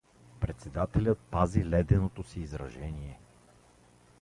Председателят пази леденото си изражение.